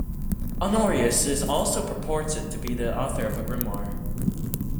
Honorius is also purported to be the author of a grimoire.